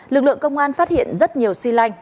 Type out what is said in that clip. lực lượng công an phát hiện rất nhiều si lanh